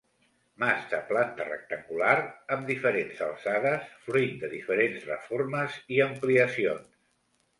Mas de planta rectangular, amb diferents alçades fruit de diferents reformes i ampliacions.